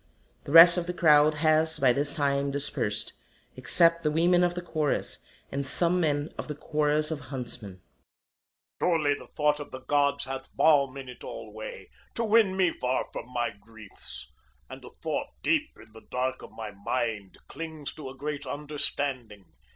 The rest of the crowd has by this time dispersed, except the Women of the Chorus and some Men of the Chorus of Huntsmen_.] CHORUS Men Surely the thought of the Gods hath balm in it alway, to win me Far from my griefs; and a thought, deep in the dark of my mind, Clings to a great Understanding.